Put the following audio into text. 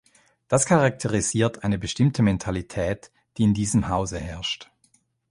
Das charakterisiert eine bestimmte Mentalität, die in diesem Hause herrscht.